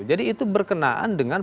jadi itu berkenaan dengan